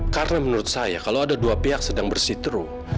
karena menurut saya kalau ada dua pihak sedang bersiteru